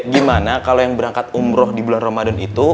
gimana kalau yang berangkat umroh di bulan ramadan itu